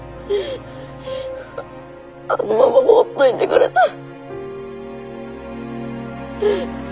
あのまま放っといてくれたら。